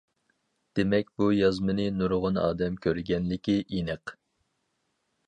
دېمەك بۇ يازمىنى نۇرغۇن ئادەم كۆرگەنلىكى ئېنىق.